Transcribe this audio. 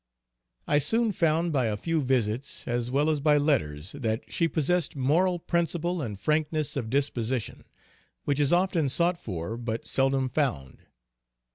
I soon found by a few visits, as well as by letters, that she possessed moral principle, and frankness of disposition, which is often sought for but seldom found.